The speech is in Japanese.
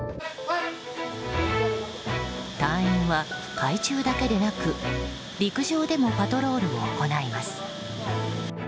隊員は海中だけでなく陸上でもパトロールを行います。